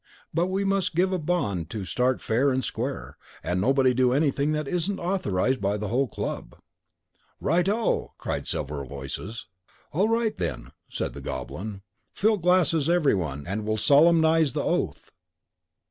But we must give a bond to start fair and square, and nobody do anything that isn't authorized by the whole club." "Right O!" cried several voices. "All right, then," said the Goblin, "fill glasses everyone, and we'll solemnize the oath.